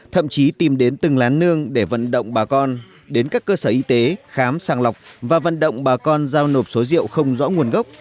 thậm chí tìm đến từng lán nương để vận động bà con đến các cơ sở y tế khám sàng lọc và vận động bà con giao nộp số rượu không rõ nguồn gốc